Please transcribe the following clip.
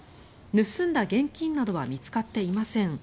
盗んだ現金などは見つかっていません。